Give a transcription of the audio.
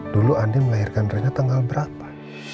dulu andi melahirkan rina tanggal berapa